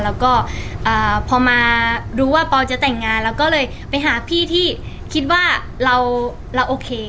แล้วก็พอมารู้ว่าปอลจะแต่งงานเราก็เลยไปหาพี่ที่คิดว่าเราโอเค